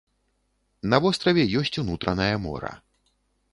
На востраве ёсць унутранае мора.